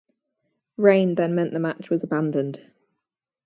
Rain then meant the match was abandoned.